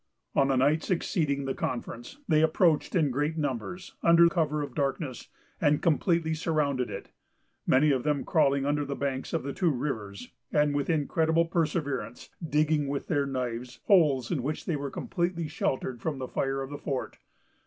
On the night succeeding the conference, they approached in great numbers, under cover of the darkness, and completely surrounded it; many of them crawling under the banks of the two rivers, and, with incredible perseverance, digging, with their knives, holes in which they were completely sheltered from the fire of the fort.